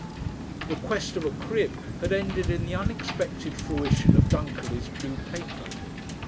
The quest of a "crib" had ended in the unexpected fruition of Dunkerley's blue paper.